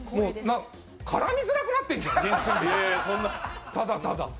絡みづらくなってんじゃん、ただただ。